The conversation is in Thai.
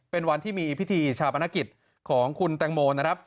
เป็นวันที่มีพิธีชาปนกิจของคุณแตงโมนะครับ